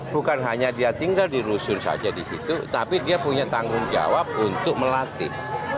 bukan hanya dia tinggal di rusun saja di situ tapi dia punya tanggung jawab untuk melatih